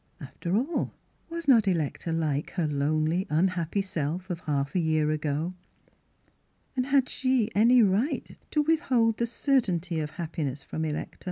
After all, was not Electa like her lonely, unhappy self of half a year ago? And had she any right to withhold the cer tainty of happiness from Electa.?